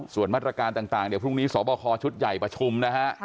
ส่วนมาตรการต่างเดี๋ยวพรุ่งนี้สอบคอชุดใหญ่ประชุมนะฮะ